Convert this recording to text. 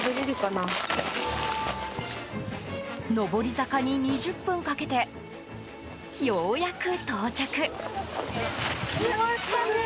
上り坂に２０分かけてようやく到着。